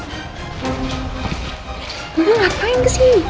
mbak mbak ngapain sih